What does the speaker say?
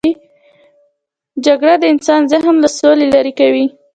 جګړه د انسان ذهن له سولې لیرې کوي